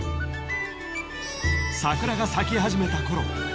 ［桜が咲き始めたころ